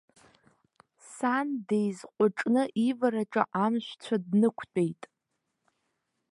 Сан деизҟәыҿны ивараҿы амшәцәа днықәтәеит.